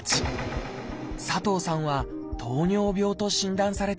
佐藤さんは「糖尿病」と診断されたのです。